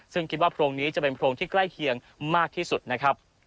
ซึ่งคิดว่าโพรงนี้จะเป็นโพรงที่ใกล้เคียงมากที่สุดนะครับ